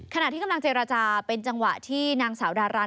ขณะที่กำลังเจรจาเป็นจังหวะที่นางสาวดารัน